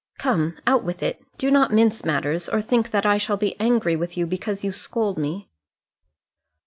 Come, out with it. Do not mince matters, or think that I shall be angry with you because you scold me."